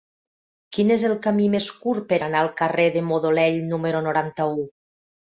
Quin és el camí més curt per anar al carrer de Modolell número noranta-u?